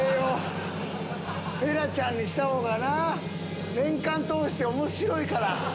エラちゃんにしたほうがなぁ年間通して面白いから。